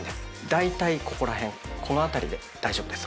だいたいここら辺この辺りで大丈夫です。